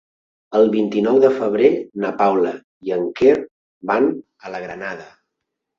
El vint-i-nou de febrer na Paula i en Quer van a la Granada.